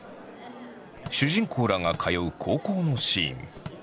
主人公らが通う高校のシーン。